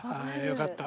よかった。